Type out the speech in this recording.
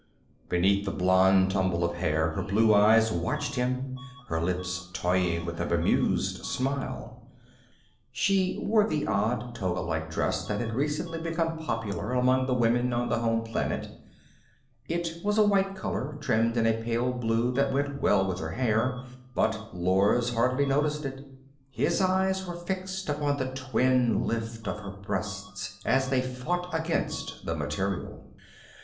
Beneath the blond tumble of hair, her blue eyes watched him, her lips toying with a bemused smile. She wore the odd toga like dress that had recently become popular among the women on the home planet; it was a white color, trimmed in a pale blue that went well with her hair, but Lors hardly noticed it. His eyes were fixed upon the twin lift of her breasts as they fought against the material.